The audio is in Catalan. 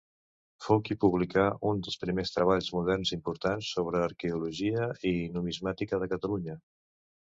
Fou qui publicà un dels primers treballs moderns importants sobre arqueologia i numismàtica de Catalunya.